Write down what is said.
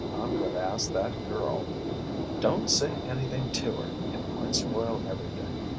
"I'm going to ask that girl " "Don't say anything to her; it might spoil everything.